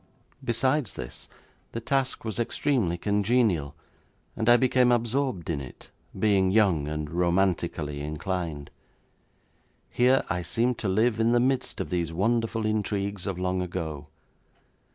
Besides this, the task was extremely congenial, and I became absorbed in it, being young and romantically inclined. Here I seemed to live in the midst of these wonderful intrigues of long ago.